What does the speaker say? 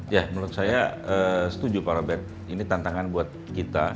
ya menurut saya setuju pak robert ini tantangan buat kita